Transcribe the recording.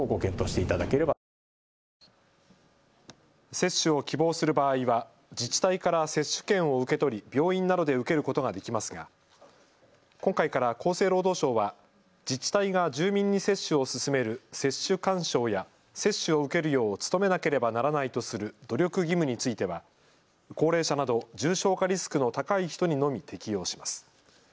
接種を希望する場合は自治体から接種券を受け取り病院などで受けることができますが今回から厚生労働省は自治体が住民に接種を勧める接種勧奨や接種を受けるよう努めなければならないとする努力義務については高齢者など重症化リスクの高い人にのみ適用します。